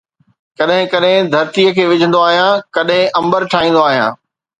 ڪڏھن ڪڏھن ڌرتيءَ کي وجھندو آھيان، ڪڏھن امبر ٺاھيندو آھيان